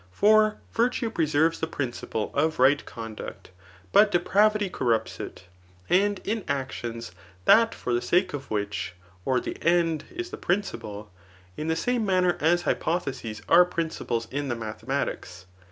For virtue preserves the principle [of right conduct,] but depravity corrupts it ; and in actions that for the sake of which [or the end] is the principle, in the same manner as hypotheses are principles in the mathematics.